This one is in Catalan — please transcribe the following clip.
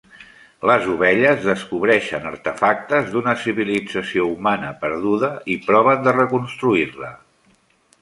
Les ovelles descobreixen artefactes d'una civilització humana perduda i proven de reconstruir-la.